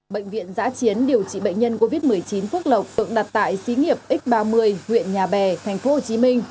bệnh viện giã chiến điều trị bệnh nhân covid một mươi chín phức lọc được đặt tại xí nghiệp x ba mươi huyện nhà bè tp hcm